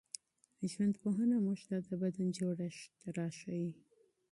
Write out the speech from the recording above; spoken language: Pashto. ژوندپوهنه موږ ته د بدن جوړښت راښيي.